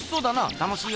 楽しいよ。